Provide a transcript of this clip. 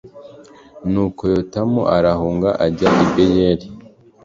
nuko yotamu arahunga ajya i beyeri